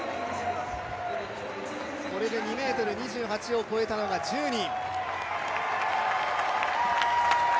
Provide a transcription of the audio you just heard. これで２ｍ２８ｃｍを越えたのが１０人。